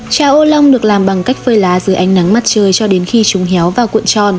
trà ô long được làm bằng cách phơi lá dưới ánh nắng mặt trời cho đến khi chúng héo vào cuộn tròn